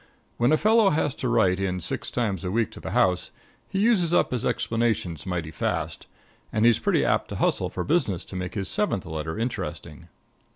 When a fellow has to write in six times a week to the house, he uses up his explanations mighty fast, and he's pretty apt to hustle for business to make his seventh letter interesting.